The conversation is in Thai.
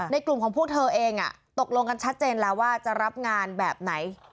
กลุ่มของพวกเธอเองตกลงกันชัดเจนแล้วว่าจะรับงานแบบไหน